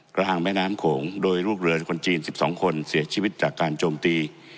กลางแม่น้ำโขงโดยลูกเรือคนจีน๑๒คนเสียชีวิตจากการโจมตี